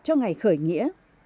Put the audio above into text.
cho ngày khởi nghĩa